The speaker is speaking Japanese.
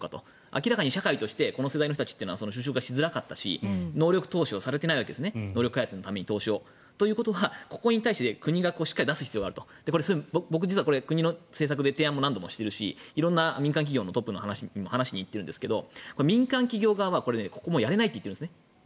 明らかに社会としてこの世代の人たちは就職がしづらかったし能力投資されていないわけですね。ということはここに対して国がしっかり出す必要があると僕、実は国の政策で提案も何度もしているし色んな民間企業のトップにも話に行っているんですが民間企業側はここ、やれないと言っているんですね。